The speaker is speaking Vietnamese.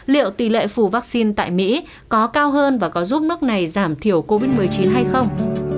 liệu tỷ lệ phủ vaccine tại mỹ có cao hơn và có giúp nước này giảm thiểu covid một mươi chín hay không